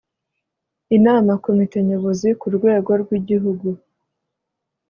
inama komite nyobozi k urwego rw igihugu